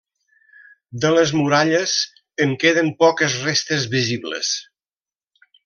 De les muralles, en queden poques restes visibles.